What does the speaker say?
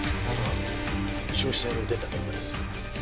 焼死体の出た現場です。